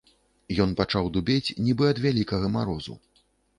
Ён пачаў дубець, нібы ад вялікага марозу.